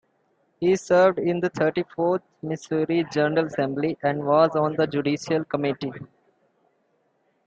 He served in the thirty-fourth Missouri General Assembly, and was on the Judicial Committee.